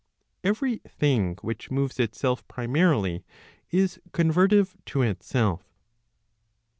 Every thing which moves itself primarily, is convertive to itself.